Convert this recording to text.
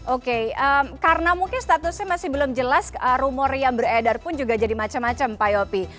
oke karena mungkin statusnya masih belum jelas rumor yang beredar pun juga jadi macam macam pak yopi